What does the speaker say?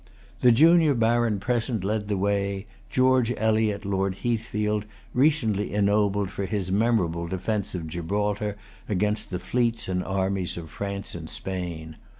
The junior baron present led the way, George Eliott, Lord Heathfield, recently ennobled for his memorable defence of Gibraltar against the fleets and armies of France and Spain.